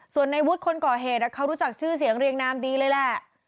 ส่วนในวุฒิคนก่อเหตุเขารู้จักชื่อเสียงเรียงนามดีเลยแหละ